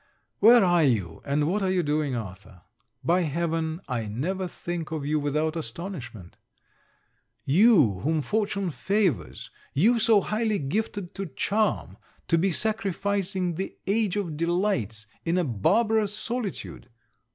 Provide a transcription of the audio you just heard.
Where are you, and what are you doing, Arthur? By heaven, I never think of you without astonishment! You whom fortune favours, you so highly gifted to charm, to be sacrificing the age of delights, in a barbarous solitude!